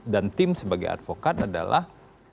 dan tim sebagai advokat adalah